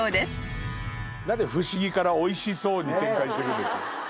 何で不思議からおいしそうに展開してくんだよ。